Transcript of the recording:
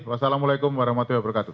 wassalamu'alaikum warahmatullahi wabarakatuh